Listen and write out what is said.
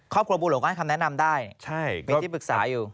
ครอบครัวบัวหลวงก็ให้คำแนะนำได้มีที่ปรึกษาอยู่